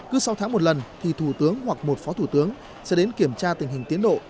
cứ sáu tháng một lần thì thủ tướng hoặc một phó thủ tướng sẽ đến kiểm tra tình hình tiến độ